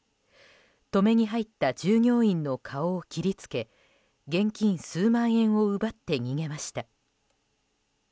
止めに入った従業員の顔を切りつけ現金数万円を奪って逃げました。